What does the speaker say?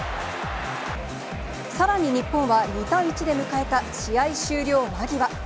さらに日本は２対１で迎えた試合終了間際。